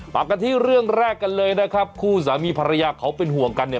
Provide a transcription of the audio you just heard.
มากันที่เรื่องแรกกันเลยนะครับคู่สามีภรรยาเขาเป็นห่วงกันเนี่ย